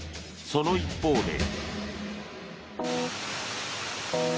その一方で。